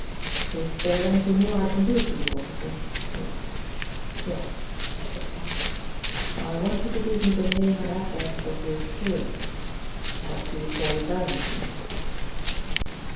"Is there anything more I can do for you, officer?" he asked. "Yes," said Parr. "I want you to give me the name and address of your tailor. Perhaps you would write it down for me."